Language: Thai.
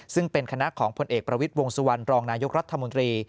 ซึ่งเป็นคณะของผลเอกประวิทย์วงสุวรรณรองนายกรัฐมนตรี